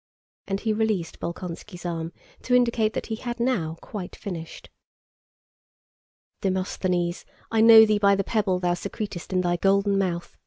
And he released Bolkónski's arm to indicate that he had now quite finished. "Demosthenes, I know thee by the pebble thou secretest in thy golden mouth!"